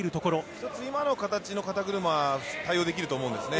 一つ、今の形の肩車、対応できると思うんですね。